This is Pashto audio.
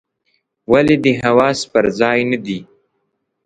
ولي دي حواس پر ځای نه دي ؟